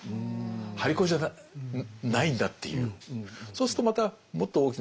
張り子じゃないんだっていう。